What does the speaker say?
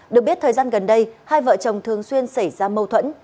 được biết thời gian gần đây hai vợ chồng thường xuyên xảy ra mâu thuẫn